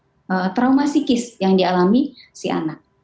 jadi ini adalah trauma psikis yang dialami si anak